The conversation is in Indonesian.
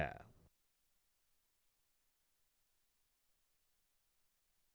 ketiga pertanyaan antar kandidat tidak diperkenankan memberikan pertanyaan yang menyerang personal kandidat lainnya